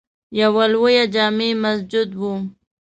یوه لویه جامع مسجد وه.